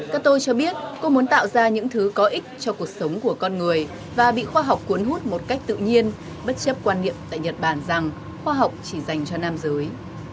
kato cho biết cô muốn tạo ra những thứ có ích cho cuộc sống của con người và bị khoa học cuốn hút một cách tự nhiên bất chấp quan niệm tại nhật bản rằng khoa học chỉ dành cho nam giới